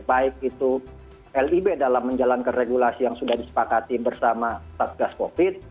baik itu lib dalam menjalankan regulasi yang sudah disepakati bersama satgas covid